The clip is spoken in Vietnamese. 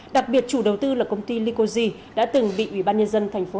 đặc biệt chủ đầu tư là công ty likosi đã từng bị ubnd tp hcm